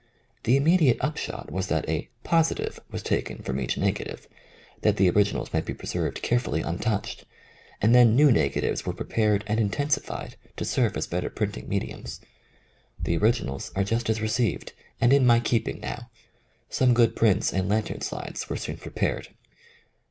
The immediate upshot was that a positive" was taken from each negative, that the orig inals might be preserved carefully un touched, and then new negatives were pre pared and intensified to serve as better print ing medimns. The originals are just as re ceived and in my keeiDing now. Some good prints and lantern slides were soon pre pared.